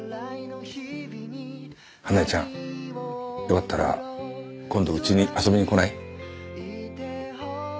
花絵ちゃんよかったら今度うちに遊びに来ない？